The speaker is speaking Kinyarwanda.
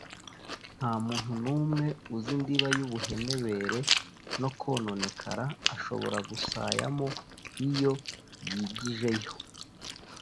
nta muntu n’umwe uzi indiba y’ubuhenebere no kononekara ashobora gusaya mo iyo yigijeyo